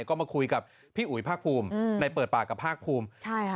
ก็มาคุยกับพี่อุ๋ยภาคภูมิในเปิดปากกับภาคภูมิใช่ค่ะ